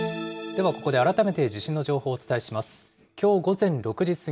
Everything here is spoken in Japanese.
ではここで、改めて地震の情報をお伝えします。